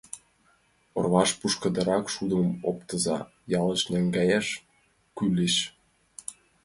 Орваш пушкыдырак шудым оптыза, ялыш наҥгаяш кӱлеш.